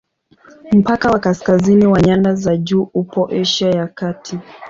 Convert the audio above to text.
Mpaka wa kaskazini wa nyanda za juu upo Asia ya Kati.